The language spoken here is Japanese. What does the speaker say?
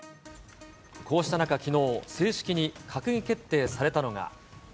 こうした中、きのう、正式に閣議決定されたのが。